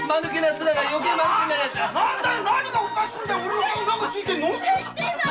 何がおかしいんだよ